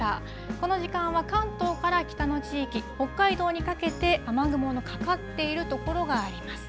この時間は関東から北の地域、北海道にかけて雨雲のかかっている所があります。